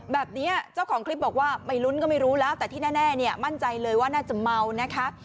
แบบนี้เจ้าของคลิปบอกว่าไม่ลุ้นก็ไม่รู้แล้วแต่ที่แน่เนี่ยมั่นใจเลยว่าน่าจะเมานะคะ